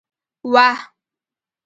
وه